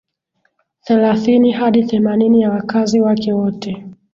Thelathini hadi themanini ya wakazi wake wote